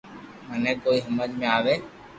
مني ڪوئي ھمج ۾ آوي